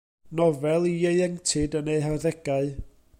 Nofel i ieuenctid yn eu harddegau.